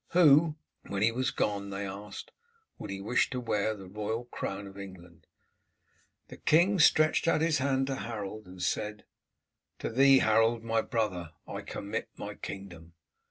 Who, when he was gone, they asked, would he wish to wear the royal crown of England? The king stretched out his hand to Harold and said, "To thee, Harold, my brother, I commit my kingdom."